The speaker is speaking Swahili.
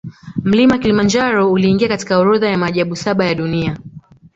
Mlima kilimanjaro uliingia katika orodha ya maajabu saba ya dunia